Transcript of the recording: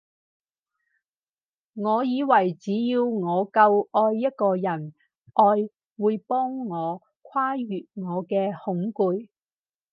我以為只要我夠愛一個人，愛會幫我跨越我嘅恐懼